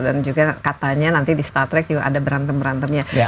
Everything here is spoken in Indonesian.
dan juga katanya nanti di star trek juga ada berantem berantemnya